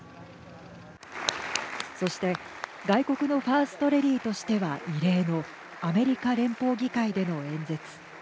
そして、外国のファースト・レディーとしては異例のアメリカ連邦議会での演説。